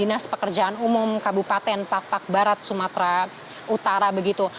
dinas pekerjaan umum kabupaten pak pak barat sumatera utara begitu